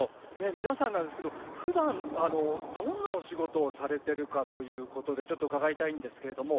皆さんなんですけどふだんどんなお仕事をされてるかということでちょっと伺いたいんですけれども。